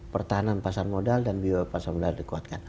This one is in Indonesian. pertahanan pasar modal dan bio pasar modal dikuatkan